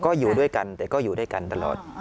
ก็อยู่ด้วยกันแต่ก็อยู่ด้วยกันตลอด